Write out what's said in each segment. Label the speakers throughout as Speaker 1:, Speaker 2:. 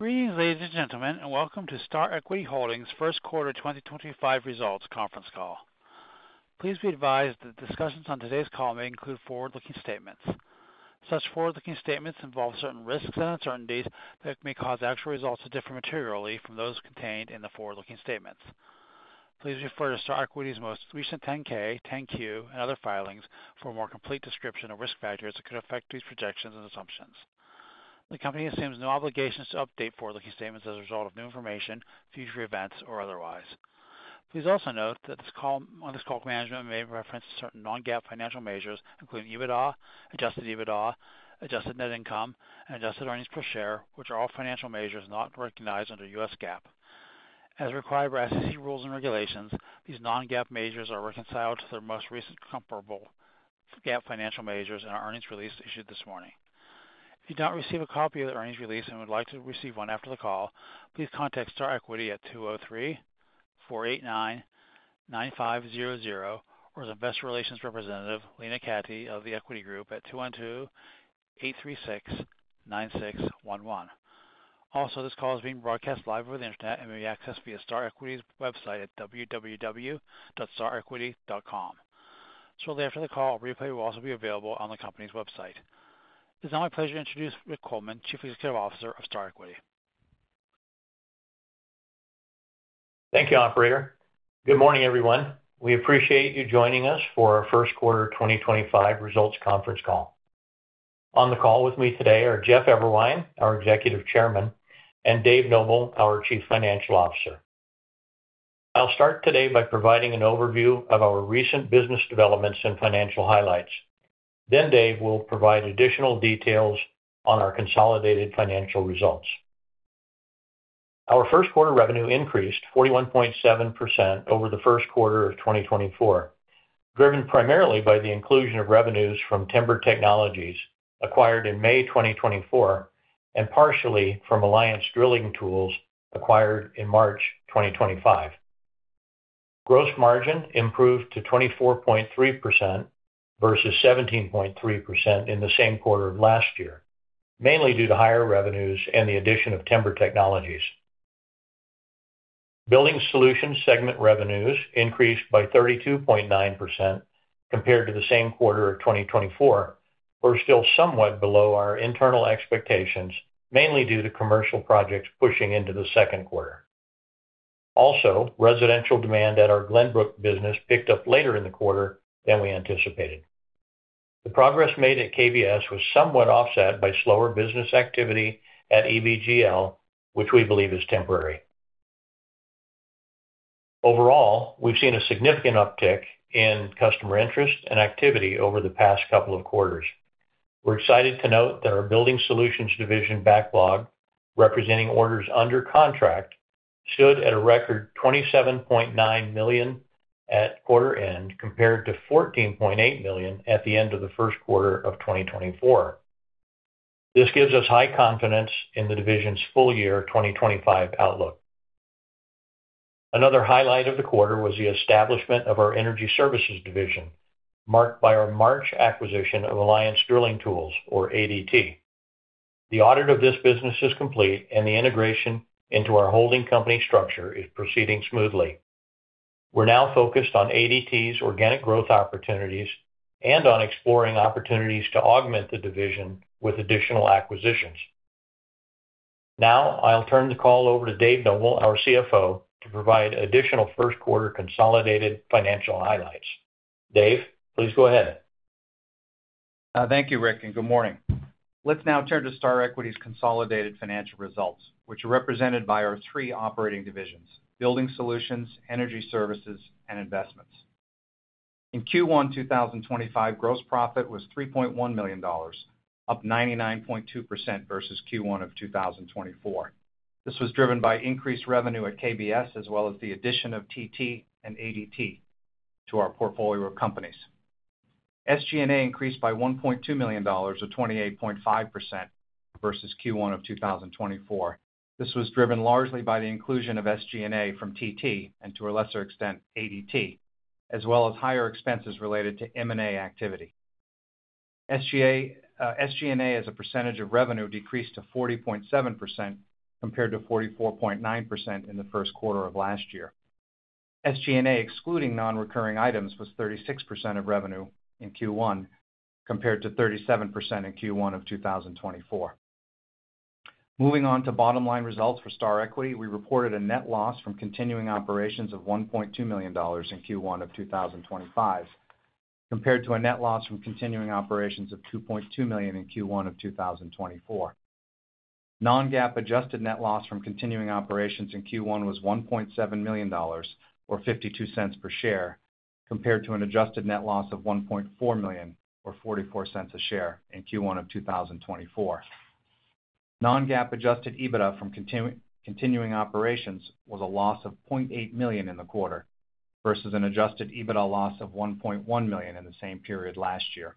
Speaker 1: Greetings, ladies and gentlemen, and welcome to Star Equity Holdings' first quarter 2025 results conference call. Please be advised that discussions on today's call may include forward-looking statements. Such forward-looking statements involve certain risks and uncertainties that may cause actual results to differ materially from those contained in the forward-looking statements. Please refer to Star Equity's most recent 10-K, 10-Q, and other filings for a more complete description of risk factors that could affect these projections and assumptions. The company assumes no obligations to update forward-looking statements as a result of new information, future events, or otherwise. Please also note that this call management may reference certain non-GAAP financial measures, including EBITDA, adjusted EBITDA, adjusted net income, and adjusted earnings per share, which are all financial measures not recognized under U.S. GAAP. As required by SEC rules and regulations, these non-GAAP measures are reconciled to their most recent comparable GAAP financial measures in our earnings release issued this morning. If you do not receive a copy of the earnings release and would like to receive one after the call, please contact Star Equity at 203-489-9500 or the investor relations representative, Lena Cati, of the Equity Group at 212-836-9611. Also, this call is being broadcast live over the internet and may be accessed via Star Equity's website at www.starequity.com. Shortly after the call, a replay will also be available on the company's website. It is now my pleasure to introduce Rick Coleman, Chief Executive Officer of Star Equity.
Speaker 2: Thank you, Operator. Good morning, everyone. We appreciate you joining us for our first quarter 2025 results conference call. On the call with me today are Jeff Eberwein, our Executive Chairman, and Dave Noble, our Chief Financial Officer. I'll start today by providing an overview of our recent business developments and financial highlights. Dave will provide additional details on our consolidated financial results. Our first quarter revenue increased 41.7% over the first quarter of 2024, driven primarily by the inclusion of revenues from Timber Technologies (TT) acquired in May 2024 and partially from Alliance Drilling Tools (ADT) acquired in March 2025. Gross margin improved to 24.3% versus 17.3% in the same quarter last year, mainly due to higher revenues and the addition of Timber Technologies. Building Solutions segment revenues increased by 32.9% compared to the same quarter of 2024, but are still somewhat below our internal expectations, mainly due to commercial projects pushing into the second quarter. Also, residential demand at our Glenbrook business picked up later in the quarter than we anticipated. The progress made at KBS was somewhat offset by slower business activity at EBGL (EdgeBuilder-Glenbrook), which we believe is temporary. Overall, we've seen a significant uptick in customer interest and activity over the past couple of quarters. We're excited to note that our Building Solutions division backlog, representing orders under contract, stood at a record $27.9 million at quarter end compared to $14.8 million at the end of the first quarter of 2024. This gives us high confidence in the division's full year 2025 outlook. Another highlight of the quarter was the establishment of our Energy Services division, marked by our March acquisition of Alliance Drilling Tools, or ADT. The audit of this business is complete, and the integration into our holding company structure is proceeding smoothly. We're now focused on ADT's organic growth opportunities and on exploring opportunities to augment the division with additional acquisitions. Now, I'll turn the call over to Dave Noble, our CFO, to provide additional first quarter consolidated financial highlights. Dave, please go ahead.
Speaker 3: Thank you, Rick, and good morning. Let's now turn to Star Equity's consolidated financial results, which are represented by our three operating divisions: Building Solutions, Energy Services, and Investments. In Q1 2025, gross profit was $3.1 million, up 99.2% versus Q1 of 2024. This was driven by increased revenue at KBS as well as the addition of TT and ADT to our portfolio of companies. SG&A increased by $1.2 million, or 28.5%, versus Q1 of 2024. This was driven largely by the inclusion of SG&A from TT and, to a lesser extent, ADT, as well as higher expenses related to M&A activity. SG&A as a percentage of revenue decreased to 40.7% compared to 44.9% in the first quarter of last year. SG&A excluding non-recurring items was 36% of revenue in Q1 compared to 37% in Q1 of 2024. Moving on to bottom-line results for Star Equity, we reported a net loss from continuing operations of $1.2 million in Q1 of 2025 compared to a net loss from continuing operations of $2.2 million in Q1 of 2024. Non-GAAP adjusted net loss from continuing operations in Q1 was $1.7 million, or $0.52 per share, compared to an adjusted net loss of $1.4 million, or $0.44 a share, in Q1 of 2024. Non-GAAP adjusted EBITDA from continuing operations was a loss of $0.8 million in the quarter versus an adjusted EBITDA loss of $1.1 million in the same period last year.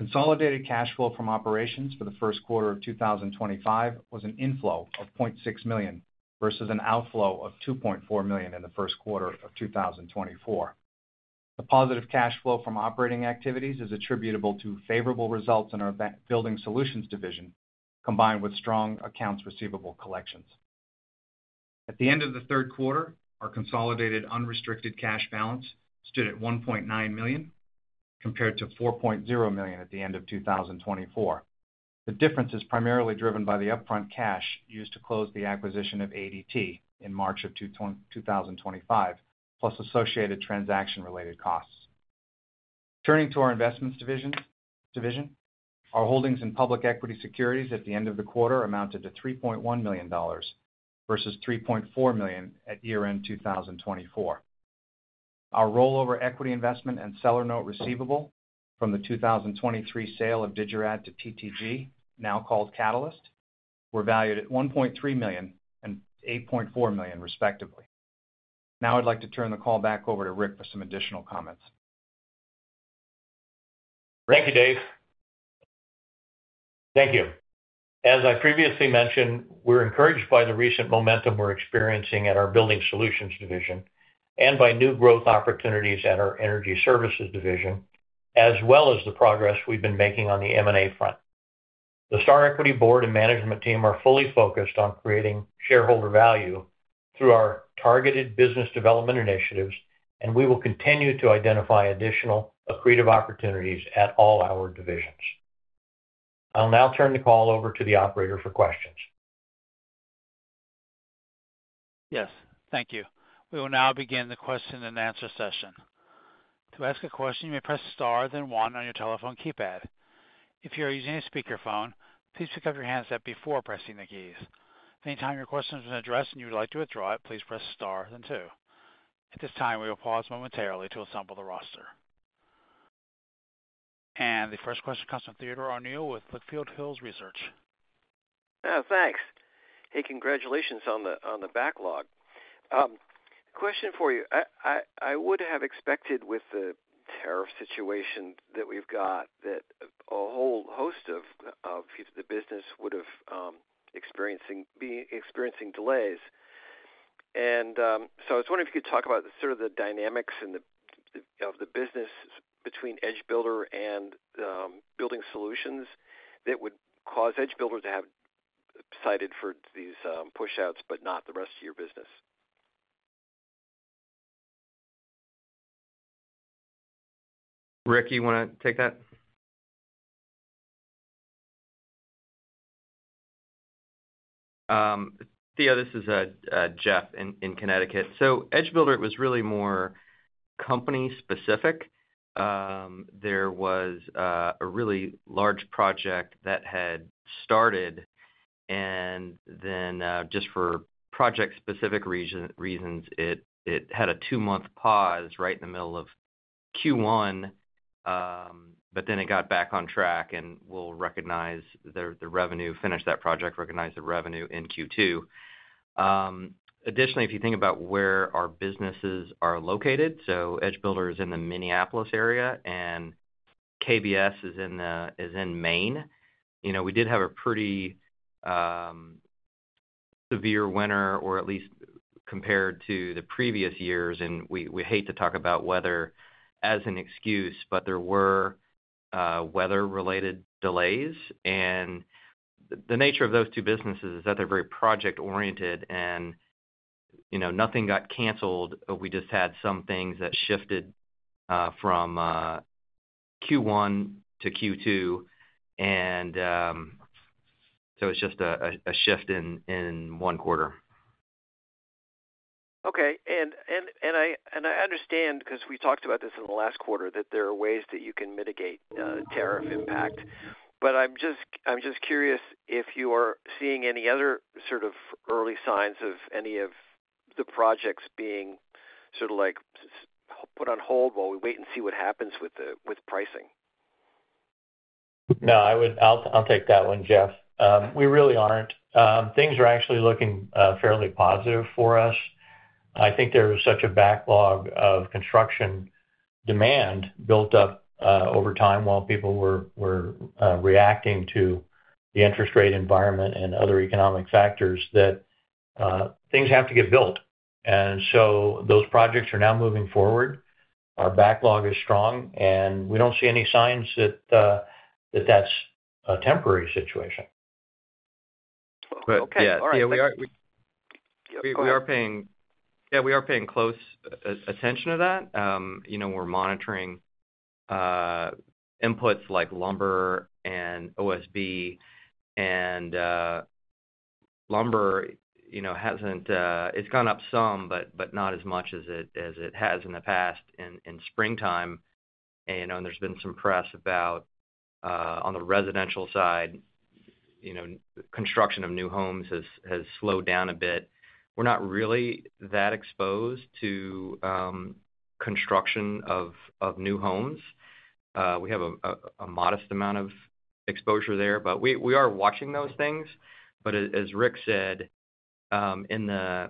Speaker 3: Consolidated cash flow from operations for the first quarter of 2025 was an inflow of $0.6 million versus an outflow of $2.4 million in the first quarter of 2024. The positive cash flow from operating activities is attributable to favorable results in our Building Solutions division combined with strong accounts receivable collections. At the end of the third quarter, our consolidated unrestricted cash balance stood at $1.9 million compared to $4.0 million at the end of 2024. The difference is primarily driven by the upfront cash used to close the acquisition of ADT in March of 2025, plus associated transaction-related costs. Turning to our Investments division, our holdings in public equity securities at the end of the quarter amounted to $3.1 million versus $3.4 million at year-end 2024. Our rollover equity investment and seller note receivable from the 2023 sale of Digirad to TTG, now called Catalyst, were valued at $1.3 million and $8.4 million, respectively. Now, I'd like to turn the call back over to Rick for some additional comments.
Speaker 2: Thank you, Dave. Thank you. As I previously mentioned, we're encouraged by the recent momentum we're experiencing at our Building Solutions division and by new growth opportunities at our Energy Services division, as well as the progress we've been making on the M&A front. The Star Equity board and management team are fully focused on creating shareholder value through our targeted business development initiatives, and we will continue to identify additional accretive opportunities at all our divisions. I'll now turn the call over to the Operator for questions.
Speaker 1: Yes, thank you. We will now begin the question-and-answer session. To ask a question, you may press star then one on your telephone keypad. If you are using a speakerphone, please pick up your handset before pressing the keys. If at any time your question has been addressed and you would like to withdraw it, please press star then two. At this time, we will pause momentarily to assemble the roster. The first question comes from Theodore O'Neill with Litchfield Hills Research.
Speaker 4: Oh, thanks. Hey, congratulations on the backlog. Question for you. I would have expected with the tariff situation that we've got that a whole host of the business would have experienced delays. I was wondering if you could talk about sort of the dynamics of the business between EdgeBuilder and Building Solutions that would cause EdgeBuilder to have sided for these pushouts, but not the rest of your business.
Speaker 3: Rick, you want to take that?
Speaker 5: Theo, this is Jeff in Connecticut. EdgeBuilder, it was really more company-specific. There was a really large project that had started, and then just for project-specific reasons, it had a two-month pause right in the middle of Q1, but then it got back on track and will recognize the revenue, finish that project, recognize the revenue in Q2. Additionally, if you think about where our businesses are located, EdgeBuilder is in the Minneapolis area and KBS is in Maine. We did have a pretty severe winter, or at least compared to the previous years, and we hate to talk about weather as an excuse, but there were weather-related delays. The nature of those two businesses is that they're very project-oriented and nothing got canceled. We just had some things that shifted from Q1 to Q2, and so it's just a shift in one quarter.
Speaker 4: Okay. I understand, because we talked about this in the last quarter, that there are ways that you can mitigate tariff impact. I'm just curious if you are seeing any other sort of early signs of any of the projects being sort of put on hold while we wait and see what happens with pricing.
Speaker 2: No, I'll take that one, Jeff. We really aren't. Things are actually looking fairly positive for us. I think there was such a backlog of construction demand built up over time while people were reacting to the interest rate environment and other economic factors that things have to get built. Those projects are now moving forward. Our backlog is strong, and we don't see any signs that that's a temporary situation.
Speaker 5: Okay. Yeah, we are paying close attention to that. We're monitoring inputs like lumber and OSB, and lumber has not—it has gone up some, but not as much as it has in the past in springtime. There has been some press about, on the residential side, construction of new homes has slowed down a bit. We're not really that exposed to construction of new homes. We have a modest amount of exposure there, but we are watching those things. As Rick said, in the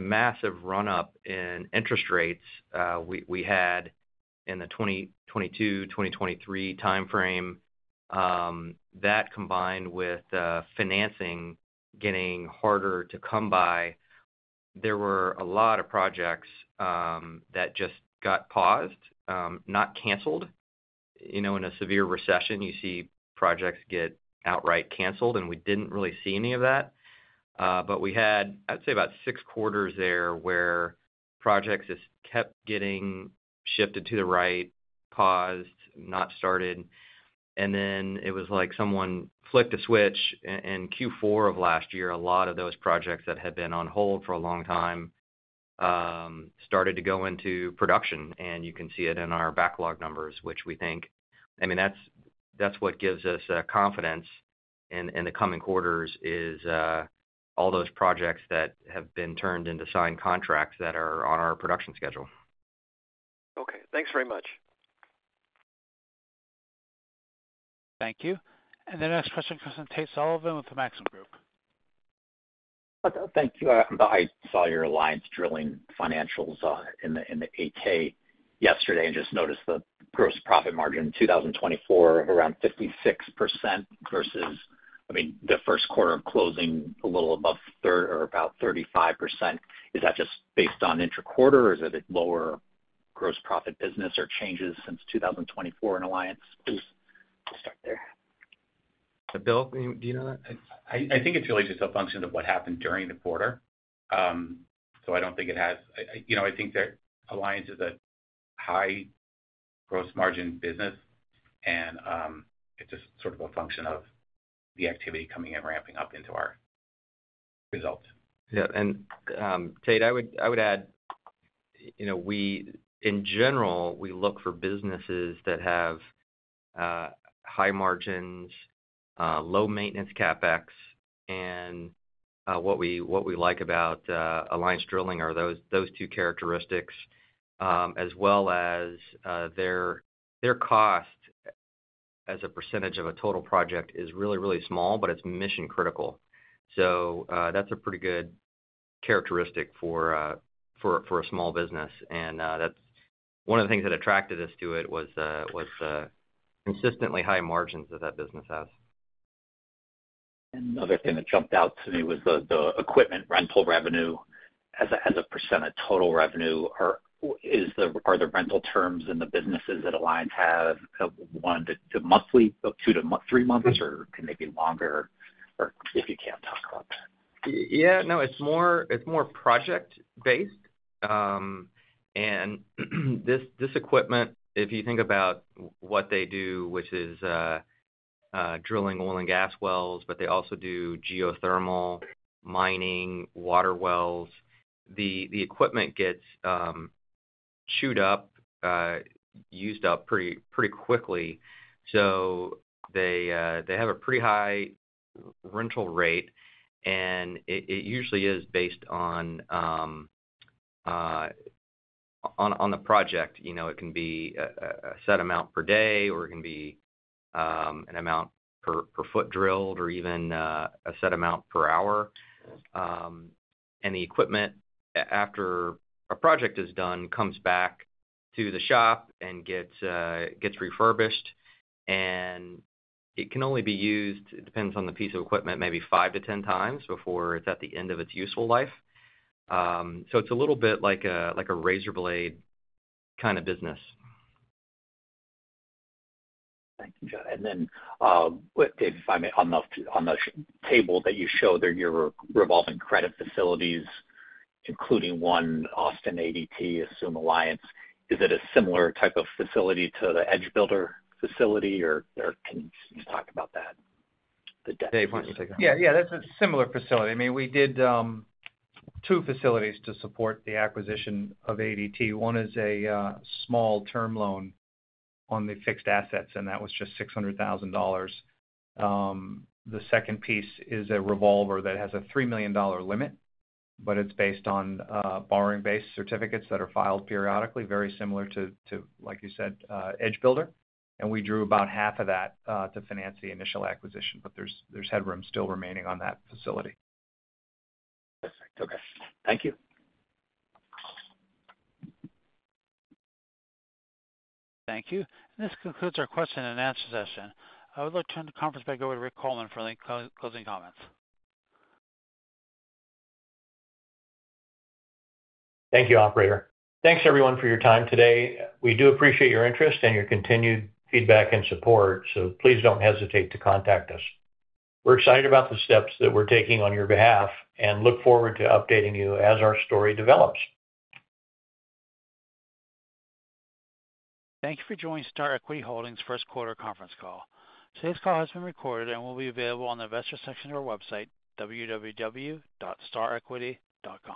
Speaker 5: massive run-up in interest rates we had in the 2022, 2023 timeframe, that combined with financing getting harder to come by, there were a lot of projects that just got paused, not canceled. In a severe recession, you see projects get outright canceled, and we did not really see any of that. We had, I'd say, about six quarters there where projects just kept getting shifted to the right, paused, not started. It was like someone flicked a switch, and Q4 of last year, a lot of those projects that had been on hold for a long time started to go into production. You can see it in our backlog numbers, which we think—I mean, that's what gives us confidence in the coming quarters is all those projects that have been turned into signed contracts that are on our production schedule.
Speaker 4: Okay. Thanks very much.
Speaker 1: Thank you. The next question comes from Tate Sullivan with Maxim Group.
Speaker 6: Thank you. I saw your Alliance Drilling financials in the 10-K yesterday and just noticed the gross profit margin in 2024 of around 56% versus, I mean, the first quarter of closing a little above about 35%. Is that just based on intra-quarter, or is it a lower gross profit business or changes since 2024 in Alliance?
Speaker 2: Bill, do you know that?
Speaker 3: I think it's really just a function of what happened during the quarter. I don't think it has—I think that Alliance is a high gross margin business, and it's just sort of a function of the activity coming in, ramping up into our results.
Speaker 5: Yeah. Tate, I would add, in general, we look for businesses that have high margins, low maintenance CapEx. What we like about Alliance Drilling are those two characteristics, as well as their cost as a percentage of a total project is really, really small, but it is mission-critical. That is a pretty good characteristic for a small business. One of the things that attracted us to it was the consistently high margins that that business has.
Speaker 6: Another thing that jumped out to me was the equipment rental revenue as a percent of total revenue. Are the rental terms in the businesses that Alliance has one to two to three months, or can they be longer, or if you can't talk about that?
Speaker 5: Yeah. No, it's more project-based. And this equipment, if you think about what they do, which is drilling oil and gas wells, but they also do geothermal, mining, water wells, the equipment gets chewed up, used up pretty quickly. So they have a pretty high rental rate, and it usually is based on the project. It can be a set amount per day, or it can be an amount per foot drilled, or even a set amount per hour. The equipment, after a project is done, comes back to the shop and gets refurbished. It can only be used—it depends on the piece of equipment—maybe five to ten times before it's at the end of its useful life. It's a little bit like a razor blade kind of business.
Speaker 6: Thank you, Jeff. David, if I may, on the table that you showed there, your revolving credit facilities, including one at Alliance, is it a similar type of facility to the EdgeBuilder facility, or can you talk about that?
Speaker 5: Dave, why don't you take that?
Speaker 3: Yeah, yeah. That's a similar facility. I mean, we did two facilities to support the acquisition of ADT. One is a small term loan on the fixed assets, and that was just $600,000. The second piece is a revolver that has a $3 million limit, but it's based on borrowing-based certificates that are filed periodically, very similar to, like you said, EdgeBuilder. We drew about half of that to finance the initial acquisition, but there's headroom still remaining on that facility.
Speaker 6: Perfect. Okay. Thank you.
Speaker 1: Thank you. This concludes our question and answer session. I would like to turn the conference back over to Rick Coleman for any closing comments.
Speaker 2: Thank you, Operator. Thanks, everyone, for your time today. We do appreciate your interest and your continued feedback and support, so please do not hesitate to contact us. We are excited about the steps that we are taking on your behalf and look forward to updating you as our story develops.
Speaker 1: Thank you for joining Star Equity Holdings' first quarter conference call. Today's call has been recorded and will be available on the investor section of our website, www.starequity.com.